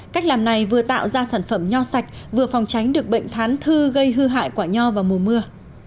cách làm này vừa tạo ra sản phẩm nho sạch vừa phòng tránh được bệnh thán thư gây hư hại quả nho vào mùa mưa